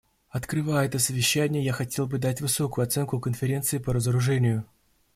Открывая это совещание я хотел бы дать высокую оценку Конференции по разоружению.